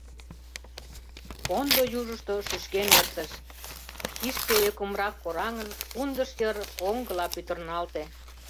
Пондо южышто шӱшкен эртыш; кишке, ӧкымрак кораҥын, пундыш йыр оҥгыла пӱтырналте.